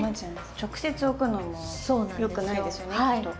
直接置くのもよくないですよねきっと。